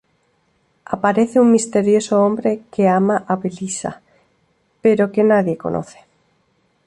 Aparece un misterioso hombre que ama a Belisa, pero que nadie conoce.